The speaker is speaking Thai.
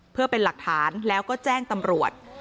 เพื่อเป็นหลักฐานแล้วก็แจ้งตำรวจ